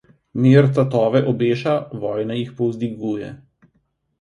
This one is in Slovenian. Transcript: Mir tatove obeša, vojna jih povzdiguje.